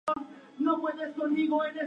Es así como nace la conurbación Tolu-Coveñas.